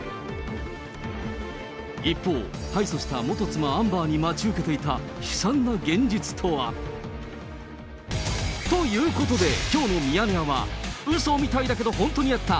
一方、敗訴した元妻、アンバーに待ち受けていた、悲惨な現実とは。ということで、きょうのミヤネ屋は、うそみたいだけど本当にあった！